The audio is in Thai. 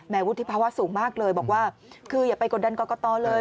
วุฒิภาวะสูงมากเลยบอกว่าคืออย่าไปกดดันกรกตเลย